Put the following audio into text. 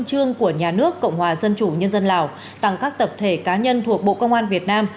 trương của nhà nước cộng hòa dân chủ nhân dân lào tặng các tập thể cá nhân thuộc bộ công an việt nam